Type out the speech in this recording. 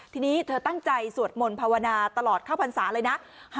ทีนี้เธอตั้งใจสวดมนต์ภาวนาตลอดเข้าพรรษาเลยนะ